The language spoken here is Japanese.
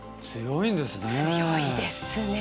強いですね。